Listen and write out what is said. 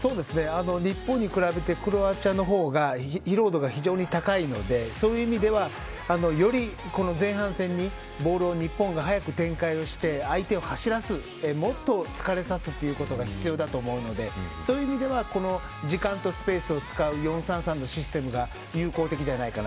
日本に比べてクロアチアの方が疲労度が非常に高いのでそういう意味ではより前半戦にボールを日本が早く展開して相手を走らせるもっと疲れさすことが必要だと思うのでそういう意味では時間とスペースを使う４‐３‐３のシステムが有効的じゃないかな。